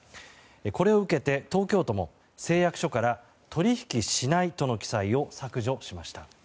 これを受けて東京都も誓約書から取引しないとの記載を削除しました。